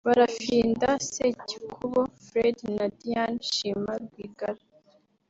Barafinda Sekikubo Fred na Diane Shima Rwigara